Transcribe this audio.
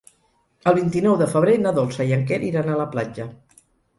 El vint-i-nou de febrer na Dolça i en Quer iran a la platja.